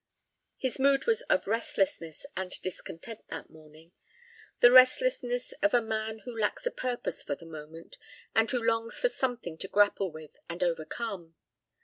His mood was of restlessness and discontent that morning—the restlessness of a man who lacks a purpose for the moment, and who longs for something to grapple with and overcome.